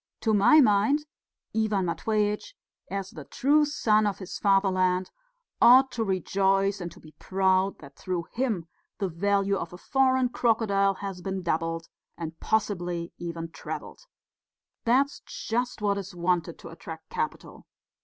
To my mind, Ivan Matveitch, as the true son of his fatherland, ought to rejoice and to be proud that through him the value of a foreign crocodile has been doubled and possibly even trebled. That's just what is wanted to attract capital.